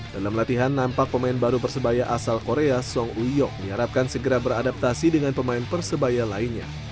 dalam latihan nampak pemain baru persebaya asal korea song uyok diharapkan segera beradaptasi dengan pemain persebaya lainnya